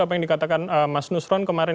apa yang dikatakan mas nusron kemarin